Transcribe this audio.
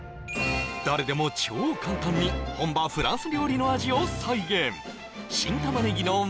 誰でも超簡単に本場フランス料理の味を再現